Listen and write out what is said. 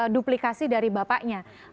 duplikasi dari bapaknya